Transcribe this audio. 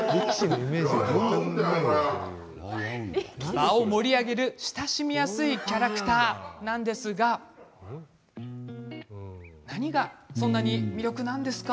場を盛り上げる親しみやすいキャラクターなんですが何がそんなに魅力なんですか？